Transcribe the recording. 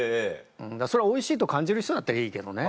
それをおいしいと感じる人だったらいいけどね。